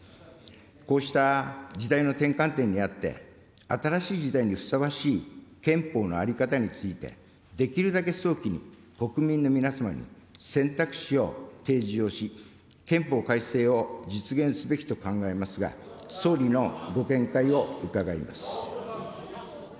こうした時代の転換点にあって、新しい時代にふさわしい憲法の在り方について、できるだけ早期に国民の皆様に選択肢を提示をし、憲法改正を実現すべきと考えますが、総理のご見解を伺います。